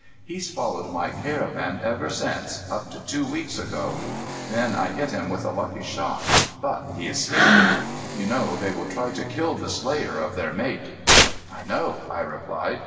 He's followed my caravan ever since, up to two weeks ago. Then I hit him with a lucky shot, but he escaped. You know they will try to kill the slayer of their mate." "I know," I replied.